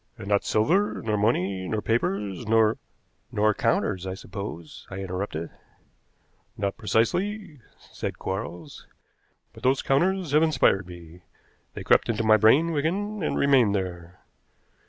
"And not silver, nor money, nor papers, nor " "Nor counters, I suppose," I interrupted. "Not precisely," said Quarles. "But those counters have inspired me. They crept into my brain, Wigan, and remained there.